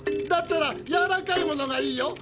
だったらやわらかい物がいいよ。